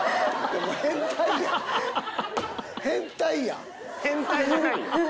変態じゃないよ。